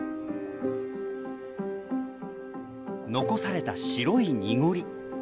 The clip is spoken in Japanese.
残された白い濁り。